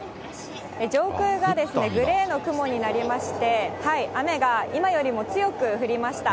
上空がグレーの雲になりまして、雨が今よりも強く降りました。